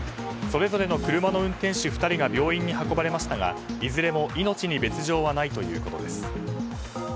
それぞれの車の運転手２人が病院に運ばれましたがいずれも命に別条はないということです。